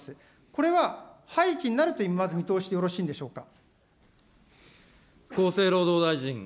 これは廃棄になるという、まず見通しでよろしいんでしょうか。